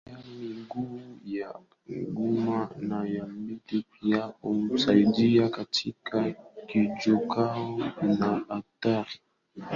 kutumia miguu ya nyuma naya mbele pia humsaidia Katika kujiokoa na hatari